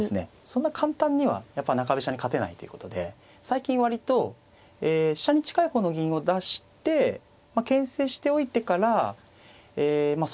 そんな簡単にはやっぱ中飛車に勝てないということで最近割と飛車に近い方の銀を出してけん制しておいてからそうですね